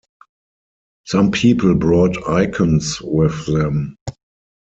Some people brought icons with them.